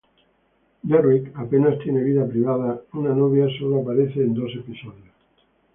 Derrick apenas tiene vida privada; una novia sólo aparece en dos episodios.